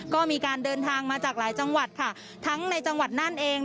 ก็มีการเดินทางมาจากหลายจังหวัดค่ะทั้งในจังหวัดนั่นเอง